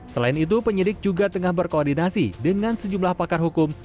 selain itu penyidik juga tengah berkoordinasi dengan sejumlah pakar hukum